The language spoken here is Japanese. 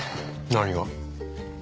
何が？